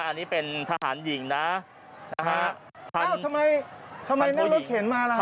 อันนี้เป็นทหารหญิงนะนะฮะอ้าวทำไมทำไมนั่งรถเข็นมาล่ะฮ